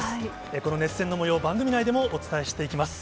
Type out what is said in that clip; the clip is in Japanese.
この熱戦のもよう、番組内でもお伝えしていきます。